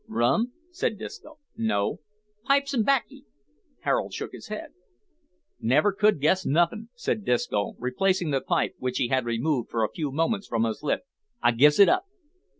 "Rum," said Disco. "No." "Pipes and 'baccy." Harold shook his head. "Never could guess nothin'," said Disco, replacing the pipe, which he had removed for a few moments from his lips; "I gives it up."